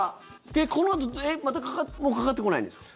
このあと、またかかってもうかかってこないんですか？